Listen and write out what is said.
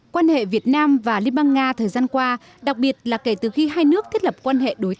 quan hệ việt nam và liên bang nga thời gian qua đặc biệt là kể từ khi hai nước thiết lập quan hệ đối tác